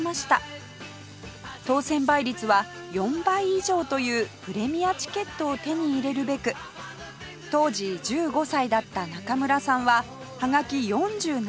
当選倍率は４倍以上というプレミアチケットを手に入れるべく当時１５歳だった中村さんははがき４７枚を送り見事当選